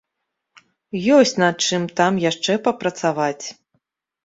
Ёсць, над чым там яшчэ папрацаваць.